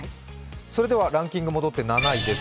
それではランキング戻って７位です